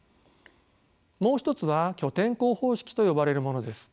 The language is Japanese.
もう一つは拠点校方式と呼ばれるものです。